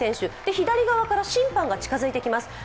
左側から審判が近づいてきます。